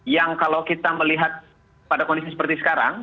yang kalau kita melihat pada kondisi seperti sekarang